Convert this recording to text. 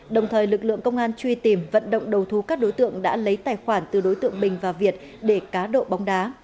đồng thời lực lượng công an truy tìm vận động đầu thú các đối tượng đã lấy tài khoản từ đối tượng bình và việt để cá độ bóng đá